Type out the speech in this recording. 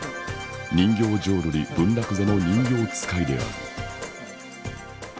人形浄瑠璃文楽座の人形遣いである。